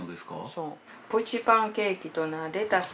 そう。